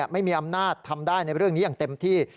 ไม่มีอำนาจทำได้ในเรื่องนี้อย่างเต็มที่